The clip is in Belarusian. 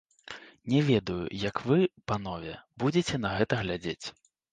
Не ведаю, як вы, панове, будзеце на гэта глядзець.